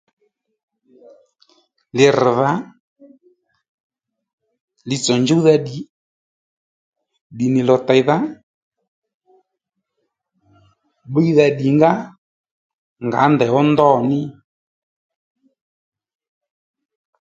Li rr̀dha, li-tsò djúwdha ddì, ddì nì lò tèydha, bbiydha ddìngǎ ngǎ ndèy ó ndô ní